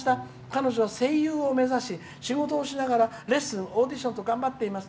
彼女は声優を目指し仕事をしながらレッスン、オーディションと頑張っています。